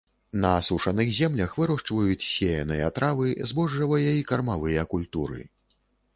На асушаных землях вырошчваюць сеяныя травы, збожжавыя і кармавыя культуры.